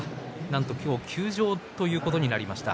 今日休場ということになりました。